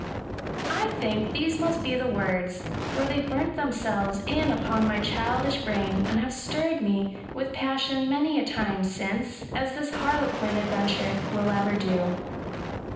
I think these must be the words, for they burnt themselves in upon my childish brain, and have stirred me with passion^ many a time since ; as this harlequin adventure will ever do.